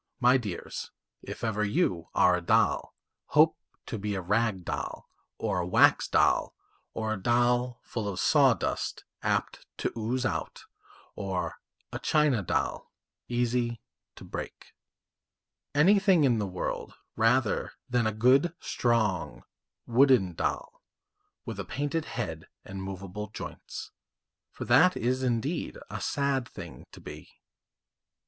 My dears, if ever you are a doll, hope to be a rag doll, or a wax doll, or a doll full of sawdust apt to ooze out, or a china doll easy to break anything in the world rather than a good strong wooden doll with a painted head and movable joints, for that is indeed a sad thing to be.